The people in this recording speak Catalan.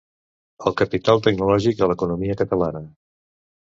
El capital tecnològic a l'economia catalana.